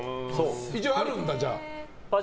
一応あるんだ、じゃあ。